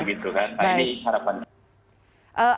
nah ini harapan